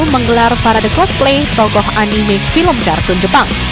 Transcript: menggelar parade cosplay tokoh anime film kartun jepang